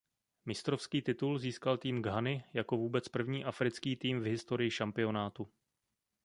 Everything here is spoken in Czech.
Mistrovský titul získal tým Ghany jako vůbec první africký tým v historii šampionátu.